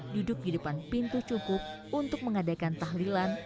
duduk di depan pintu cungkup untuk mengadakan tahlilan